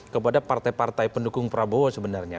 kepada partai partai pendukung prabowo sebenarnya